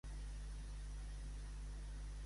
La individual i la vertical a la Vall d'Aran.